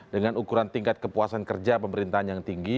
dengan ukuran tingkat kepuasan kerja pemerintahan yang tinggi